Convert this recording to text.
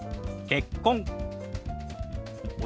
「結婚」。